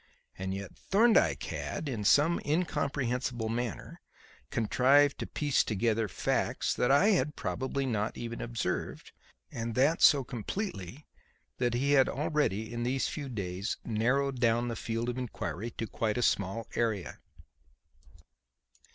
And yet Thorndyke had, in some incomprehensible manner, contrived to piece together facts that I had probably not even observed, and that so completely that he had already, in these few days, narrowed down the field of inquiry to quite a small area.